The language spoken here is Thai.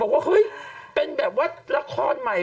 ว่าเฮ้ยเป็นแบบว่าละครใหม่